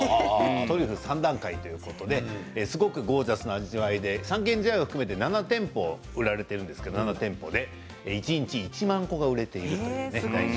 トリュフ３段階ということですごくゴージャスな味わいで三軒茶屋を含めて７店舗で売られているんですが一日１万個が売れていると。